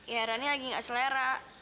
ya beda newspaper